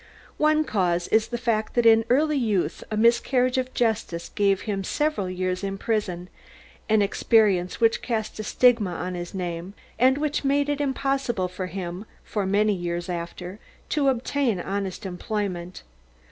One cause is the fact that in early youth a miscarriage of justice gave him several years in prison, an experience which cast a stigma on his name and which made it impossible for him, for many years after, to obtain honest employment.